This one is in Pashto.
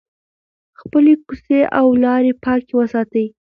خپلې کوڅې او لارې پاکې وساتئ.